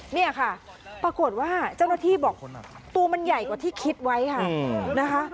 เนี่ยค่ะปรากฏว่าเจ้าหน้าที่บอกตัวมันใหญ่กว่าที่คิดไว้ค่ะนะคะ